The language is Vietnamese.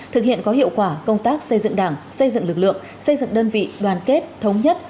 thực hiện có hiệu quả công tác xây dựng đảng xây dựng lực lượng xây dựng đơn vị đoàn kết thống nhất